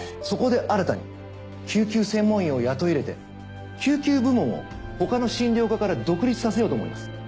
そこで新たに救急専門医を雇い入れて救急部門を他の診療科から独立させようと思います。